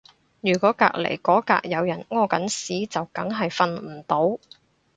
如果隔離嗰格有人屙緊屎就梗係瞓唔到